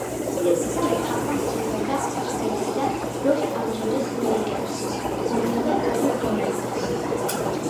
პოლი თაყვანს სცემდა და აღმერთებდა „ლოს-ანჯელეს ლეიკერსის“ ლეგენდა კობი ბრაიანტს.